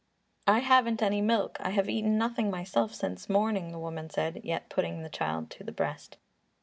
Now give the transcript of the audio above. "I haven't any milk; I have eaten nothing myself since morning," the woman said, yet putting the child to the breast.